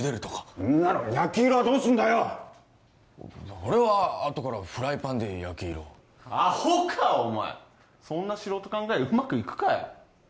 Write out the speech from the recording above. そんなの焼き色はどうすんだよほれはあとからフライパンで焼き色をアホかお前そんな素人考えうまくいくかよ